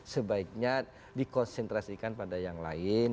sebaiknya dikonsentrasikan pada yang lain